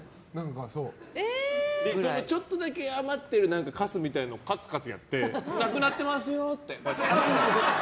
そのちょっとだけ余ってるカスみたいなのをカツカツやってなくなってますよ！